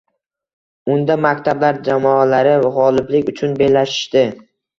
Unda maktablar jamoalari gʻoliblik uchun bellashishdi